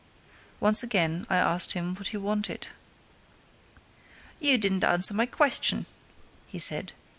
Once again I asked him what he wanted. "You didn't answer my question," he said.